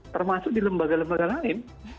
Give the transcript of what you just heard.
termasuk di lembaga lembaga lain